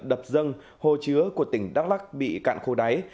đập dâng hồ chứa của tỉnh đắk lắc bị cạn khô đáy